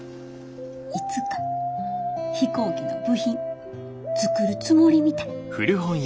いつか飛行機の部品作るつもりみたい。